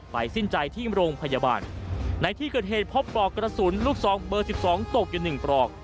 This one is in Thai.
สิ้นใจที่โรงพยาบาลในที่เกิดเหตุพบปลอกกระสุนลูกซองเบอร์๑๒ตกอยู่หนึ่งปลอก